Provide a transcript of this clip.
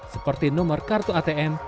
seperti nomor kartu atm